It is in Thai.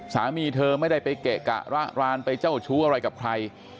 สามีเธอไม่ได้ไปเกะกะระรานไปเจ้าชู้อะไรกับใคร